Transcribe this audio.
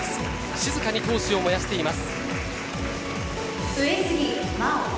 静かに闘志を燃やしています。